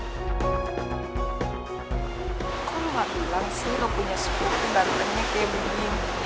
kok lo gak bilang sih lo punya sepupu datengnya kayak begini